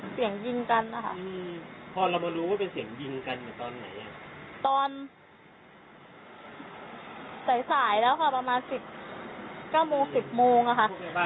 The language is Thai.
ใส่สายแล้วค่ะประมาณ๑๙๑๐โมงค่ะ